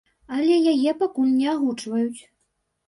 Але яе пакуль не агучваюць.